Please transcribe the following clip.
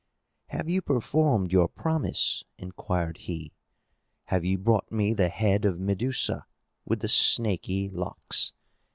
"Have you performed your promise?" inquired he. "Have you brought me the head of Medusa with the snaky locks?